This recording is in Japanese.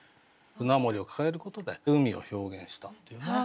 「舟盛り」を抱えることで海を表現したっていうね。